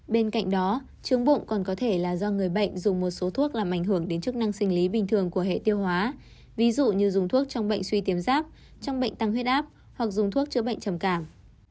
bên cạnh đó chứng bụng còn có thể là do người bệnh dùng một số thuốc làm ảnh hưởng đến chức năng sinh lý bình thường của hệ tiêu hóa ví dụ như dùng thuốc trong bệnh suy tiến giáp trong bệnh tăng huyết áp hoặc dùng thuốc chữa bệnh trầm cảm